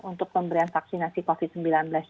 untuk pemberian vaksinasi covid sembilan belas